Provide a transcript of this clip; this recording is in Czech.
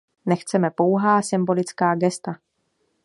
Nechceme pouhá symbolická gesta.